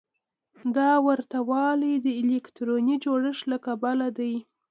دا ورته والی د الکتروني جوړښت له کبله دی.